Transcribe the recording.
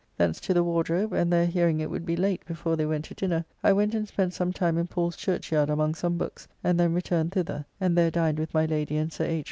Thence to the Wardrobe, and there hearing it would be late before they went to dinner, I went and spent some time in Paul's Churchyard among some books, and then returned thither, and there dined with my Lady and Sir H.